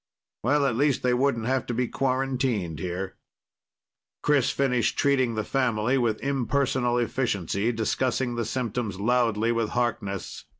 Well, at least they wouldn't have to be quarantined here. Chris finished treating the family with impersonal efficiency, discussing the symptoms loudly with Harkness.